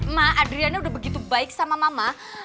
mak adriana udah begitu baik sama mama